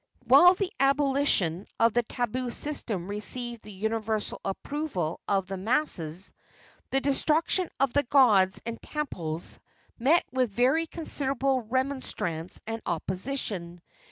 While the abolition of the tabu system received the universal approval of the masses, the destruction of the gods and temples met with very considerable remonstrance and opposition.